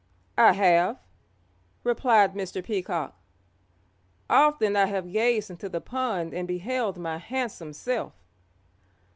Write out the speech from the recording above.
"I have," replied Mr. Peacock; "often I have gazed into the pond and beheld my handsome self."